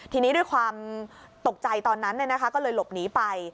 ทีนี้ด้วยความตกใจตอนนั้นก็เลยหลบหนีไป